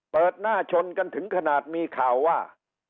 เปิดหน้าชนกันถึงขนาดมีข่าวว่า